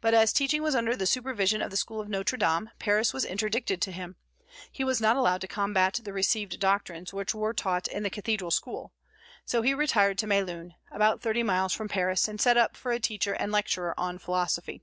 But as teaching was under the supervision of the school of Notre Dame, Paris was interdicted to him; he was not allowed to combat the received doctrines which were taught in the Cathedral School. So he retired to Melun, about thirty miles from Paris, and set up for a teacher and lecturer on philosophy.